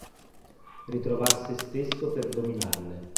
Ritrovar se stesso per dominarle.